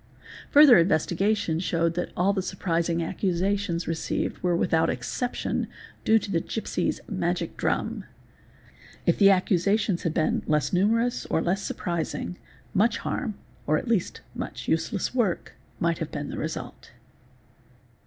Further investigation showed that all the surprising accusations received were without exception due to the gipsy's magic drum. If the accusations had been less numerous or less surprising, much harm, or at least much useless work, might have been the result.